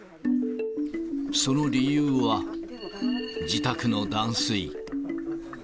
その理由は、自宅の断水。